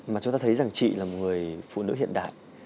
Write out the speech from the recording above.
mà chúng ta thấy rằng chị là một người phụ nữ hiện đại